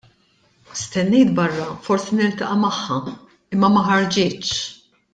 Stennejt barra forsi niltaqa' magħha, imma ma ħarġitx.